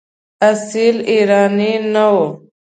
اصیل ایرانی نه وو.